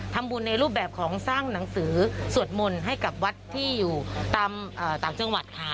ทำบุญในรูปแบบของสร้างหนังสือสวดมนต์ให้กับวัดที่อยู่ตามต่างจังหวัดค่ะ